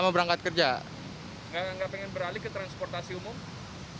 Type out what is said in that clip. pengendara tidak ingin berlari ke transportasi umum